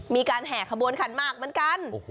แห่ขบวนขันมากเหมือนกัน